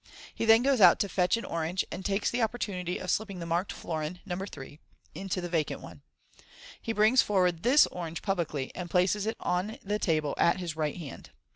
He then goes out to fetch an MODERN MAGIC. 171 orange, and takes the opportunity of slipping the marked florin (No 3)into the vacant one. He brings forward this orange publicly, and places it on his table at his right hnnd.